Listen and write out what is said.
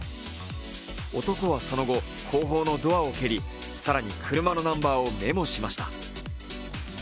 男はその後、後方のドアを蹴り更に車のナンバーをメモしました。